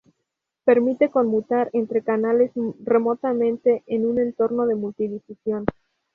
Permite conmutar entre canales remotamente en un entorno de multidifusión.